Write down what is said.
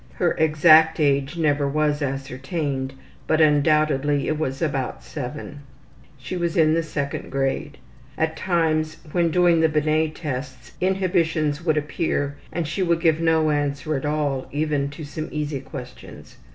Her exact age never was ascertained, but undoubtedly it was about 7. She was in the 2d grade. At times when doing the Binet tests inhibitions would appear and she would give no answer at all even to some easy questions.